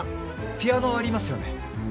ピアノありますよね？